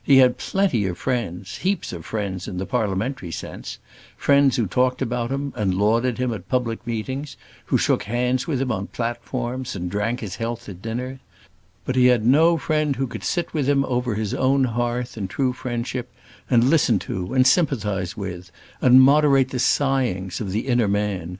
He had plenty of friends, heaps of friends in the parliamentary sense; friends who talked about him, and lauded him at public meetings; who shook hands with him on platforms, and drank his health at dinners; but he had no friend who could sit with him over his own hearth, in true friendship, and listen to, and sympathise with, and moderate the sighings of the inner man.